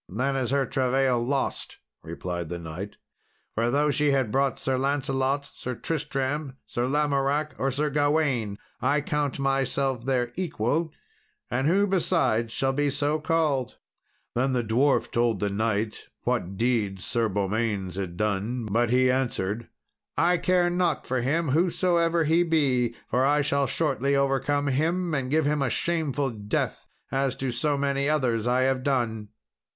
"Then is her travail lost," replied the knight; "for, though she had brought Sir Lancelot, Sir Tristram, Sir Lamoracke, or Sir Gawain, I count myself their equal, and who besides shall be so called?" Then the dwarf told the knight what deeds Sir Beaumains had done; but he answered, "I care not for him, whosoever he be, for I shall shortly overcome him, and give him shameful death, as to so many others I have done."